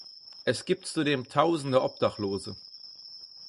Es gibt zudem tausende Obdachlose.